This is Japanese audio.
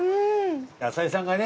朝井さんがね